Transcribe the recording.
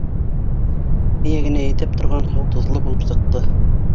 Эйәгенә етеп торған һыу тоҙло булып сыҡты.